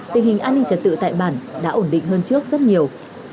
tình hình an ninh trật tự tại bản đã ổn định hơn trước rất nhiều